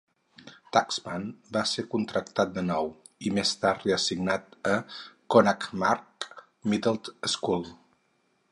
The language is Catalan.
Taxman va ser contractat de nou, i més tard reassignat a Conackamack Middle School.